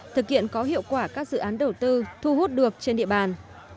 thực hiện có hiệu quả các dự án đầu tư thu hút được trên địa bàn